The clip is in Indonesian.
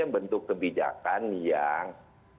bentuk kebijakan yang